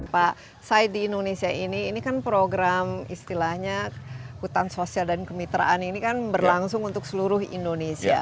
pak said di indonesia ini ini kan program istilahnya hutan sosial dan kemitraan ini kan berlangsung untuk seluruh indonesia